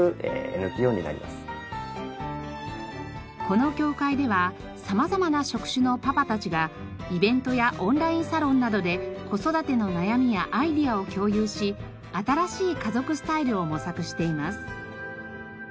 この協会では様々な職種のパパたちがイベントやオンラインサロンなどで子育ての悩みやアイデアを共有し新しい家族スタイルを模索しています。